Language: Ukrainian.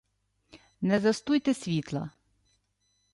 — Не застуйте світла!